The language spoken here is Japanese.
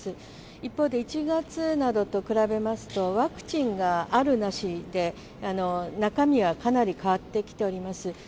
一方で１月などと比べますと、ワクチンがあるなしで中身はかなり変わってきております。